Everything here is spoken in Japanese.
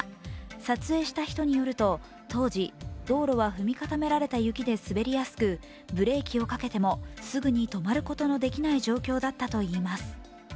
撮影した人によると当時、道路は踏み固められた雪で滑りやすくブレーキをかけてもすぐに止まることのできない状況だったといいます。